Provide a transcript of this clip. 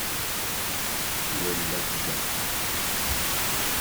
Et elle la vida.